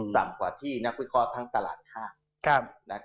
ต่ำกว่าที่นักวิเคราะห์ทั้งตลาดข้าว